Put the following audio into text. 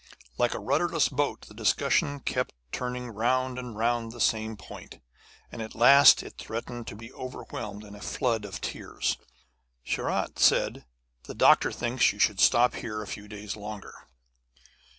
Like a rudderless boat, the discussion kept turning round and round the same point; and at last it threatened to be overwhelmed in a flood of tears. Sharat said: 'The doctor thinks you should stop here a few days longer.'